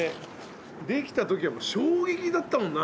できたときは衝撃だったもんな。